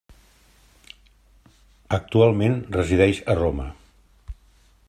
Actualment resideix a Roma.